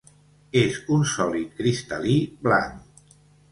És un sòlid cristal·lí blanc.